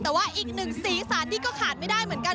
แต่ว่าอีกหนึ่งสีสันนี่ก็ขาดไม่ได้เหมือนกัน